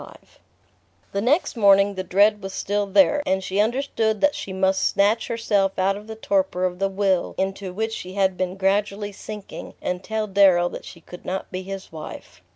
XXXV The next morning the dread was still there, and she understood that she must snatch herself out of the torpor of the will into which she had been gradually sinking, and tell Darrow that she could not be his wife.